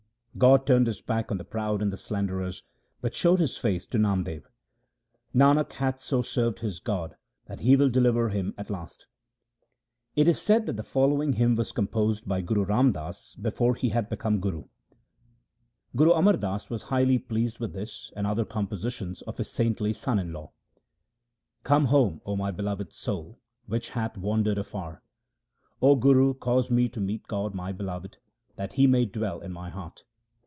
God turned His back on the proud and the slanderers, but showed His face to Namdev. Nanak hath so served his God that He will deliver him at last. It is said that the following hymn was composed by Guru Ram Das before he had become Guru. 1 Either by transmigration or the god of death. HYMNS OF GURU RAM DAS 317 Guru Amar Das was highly pleased with this and other compositions of his saintly son in law :— Come home, O my beloved soul, which hath wandered afar. 0 Guru, cause me to meet God, my Beloved, that He may dwell in my heart.